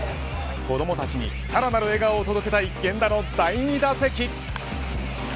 子どもたちにさらなる笑顔を届けたい源田の第２打席。